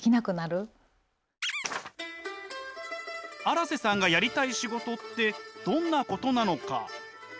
荒瀬さんがやりたい仕事ってどんなことなのか？